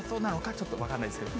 ちょっと分からないですけど。